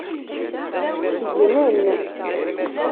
Gnen.